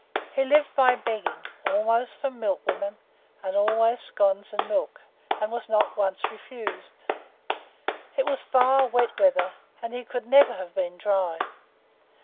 He lived by begging, always from milkwomen, and always scones and milk, and was not once refused. It was vile wet weather, and he could never have been dry.